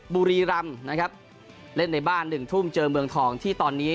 บุรีรำนะครับเล่นในบ้านหนึ่งทุ่มเจอเมืองทองที่ตอนนี้